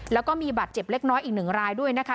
แล้วก็มีบาดเจ็บเล็กน้อยอีกหนึ่งรายด้วยนะคะ